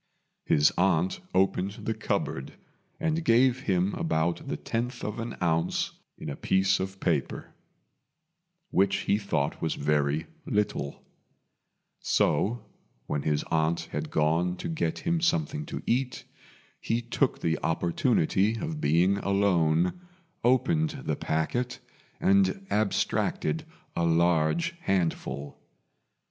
His aunt opened the cupboard and gave him about the tenth of an ounce in a piece of paper, which he thought was very little; so, when his aunt had gone to get him something to eat, he took the opportunity of being alone, opened the packet, and abstracted a large handful.